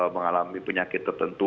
mengalami penyakit tertentu